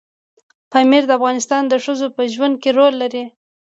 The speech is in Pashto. پامیر د افغان ښځو په ژوند کې رول لري.